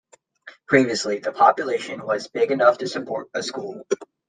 Previously the population was big enough to support a school.